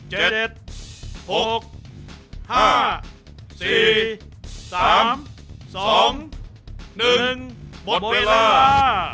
หมดเวลา